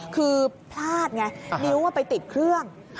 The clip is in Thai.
คือพลาดไงนิ้วไปติดเครื่อง